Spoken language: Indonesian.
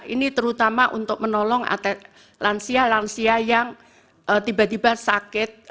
ini terutama untuk menolong lansia lansia yang tiba tiba sakit